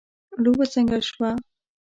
لوبه څنګه شوه